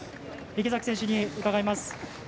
池崎選手に伺います。